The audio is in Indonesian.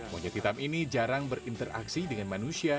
monyet hitam ini jarang berinteraksi dengan manusia